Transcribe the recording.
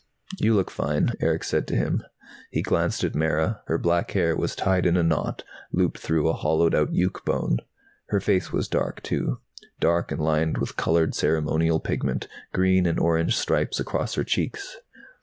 "You look fine," Erick said to him. He glanced at Mara. Her black hair was tied in a knot, looped through a hollowed out yuke bone. Her face was dark, too, dark and lined with colored ceremonial pigment, green and orange stripes across her cheeks.